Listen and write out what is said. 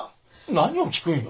何を聞くんよ。